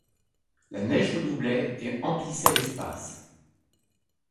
La neige redoublait et emplissait l'espace.